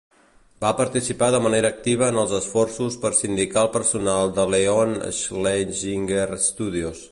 Va participar de manera activa en els esforços per sindicar el personal de Leon Schlesinger Studios.